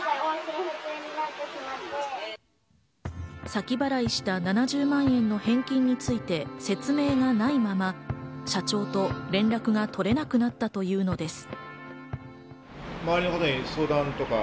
先払いした７０万円の返金について説明がないまま、社長と連絡が取れなくなったというのです。